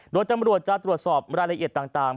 โดยตำรวจจะตรวจสอบรายละเอียดต่าง